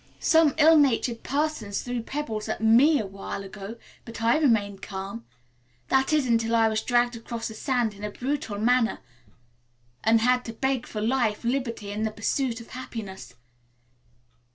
"Some ill natured persons threw pebbles at me a while ago, but I remained calm. That is, until I was dragged across the sand in a brutal manner, and had to beg for life, liberty and the pursuit of happiness.